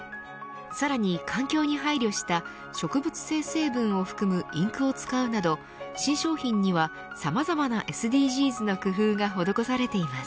さらに環境に配慮した植物性成分を含むインクを使うなど新商品にはさまざまなＳＤＧｓな工夫が施されています。